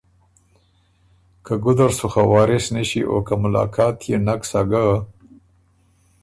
که ګُده ر سُو خه وارث نِݭی او که ملاقات يې نک سَۀ ګۀ